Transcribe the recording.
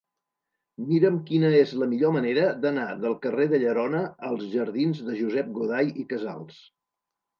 Mira'm quina és la millor manera d'anar del carrer de Llerona als jardins de Josep Goday i Casals.